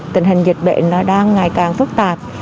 tình hình dịch bệnh đang ngày càng phức tạp